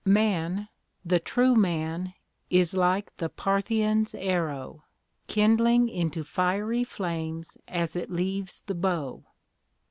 Man the true man is like the Parthian's arrow, kindling into fiery flames as it leaves the bow.